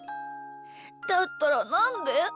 だったらなんで？